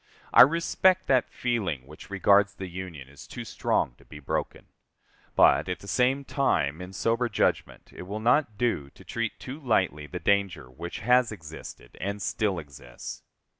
I respect that feeling which regards the Union as too strong to be broken. But, at the same time, in sober judgment, it will not do to treat too lightly the danger which has existed and still exists.